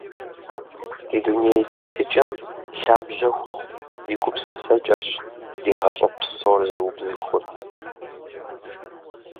Ди дуней тетыкӀэм лъабжьэ хуэхъу ди гупсысэкӀэрщ ди гъащӀэ псор зыубзыхур.